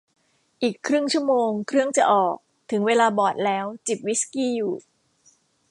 อีกครึ่งชั่วโมงเครื่องจะออก ถึงเวลาบอร์ดแล้วจิบวิสกี้อยู่